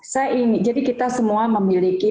saya ini jadi kita semua memiliki